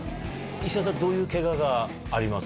石田さんどういうケガあります？